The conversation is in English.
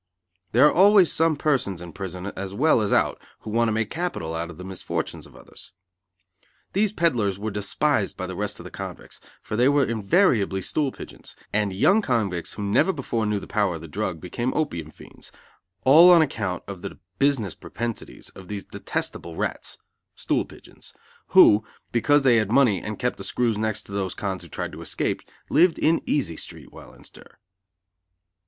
There are always some persons in prison as well as out who want to make capital out of the misfortunes of others. These peddlars, were despised by the rest of the convicts, for they were invariably stool pigeons; and young convicts who never before knew the power of the drug became opium fiends, all on account of the business propensities of these detestable rats (stool pigeons) who, because they had money and kept the screws next to those cons who tried to escape, lived in Easy Street while in stir.